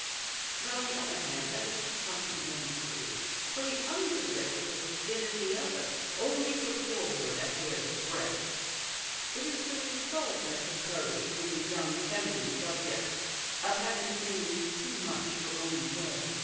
But, on the other hand, that is too compli mentary, for the underlip was as thin as the other, only put forward a hair's breadth. It is the result, I suppose, in the young feminine subject of having things too much her own way.